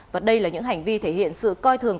và đây là những hành vi thể hiện sự coi thường